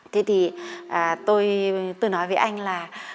thế thì tôi nói với anh là